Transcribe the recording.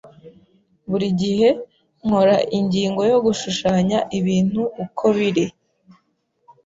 Buri gihe nkora ingingo yo gushushanya ibintu uko biri.